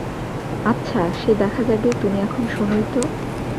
আচ্ছা সে দেখা যাবে, তুমি এখন শোনোই তো।